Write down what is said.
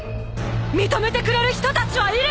認めてくれる人たちはいる！